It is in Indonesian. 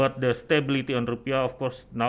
tetapi stabilitas rupiah tentu saja